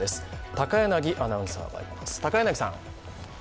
高柳アナウンサーが行っています。